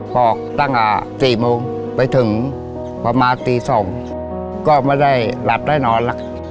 พอตั้งแต่๔โมงไปถึงประมาณตี๒ก็ไม่ได้หลับได้นอนละ